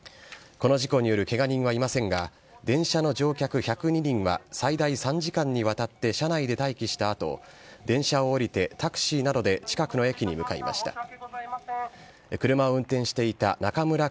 この事故によるけが人はいませんが、電車の乗客１０２人は最大３時間にわたって車内で待機したあと、電車を降りてタクシーなどで近くの駅に向かいました。